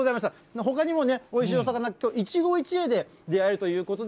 ほかにもね、おいしいお魚、一期一会で出会えるということで